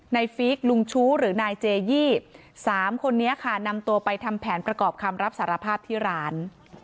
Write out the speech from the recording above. ฟีกลุงชู้หรือนายเจยี่๓คนนี้ค่ะนำตัวไปทำแผนประกอบคำรับสารภาพที่ร้าน